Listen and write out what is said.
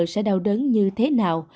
sẽ đau đớn như thế nào